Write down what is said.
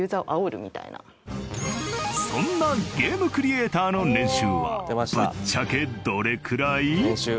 そんなゲームクリエイターの年収はぶっちゃけどれくらい？